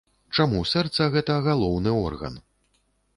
Чаму сэрца гэта галоўны орган?